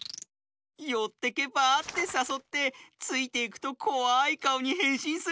「よってけばあ？」ってさそってついていくとこわいかおにへんしんするようかいです。